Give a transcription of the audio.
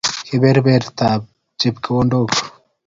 Kebebertab chepkondok